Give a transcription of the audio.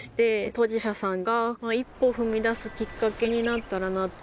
当事者さんが一歩踏み出すきっかけになったらな。